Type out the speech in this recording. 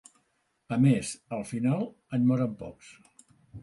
A més, al final en moren pocs.